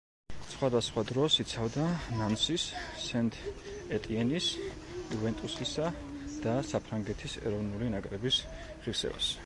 სხვადასხვა დროს იცავდა „ნანსის“, „სენტ-ეტიენის“, „იუვენტუსისა“ და საფრანგეთის ეროვნული ნაკრების ღირსებას.